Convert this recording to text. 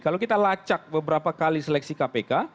kalau kita lacak beberapa kali seleksi kpk